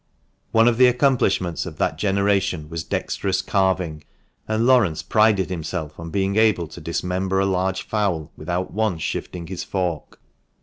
One of the accomplishments of that generation was dexterous carving, and Laurence prided himself on being able to dismember a large fowl without once shifting his fork.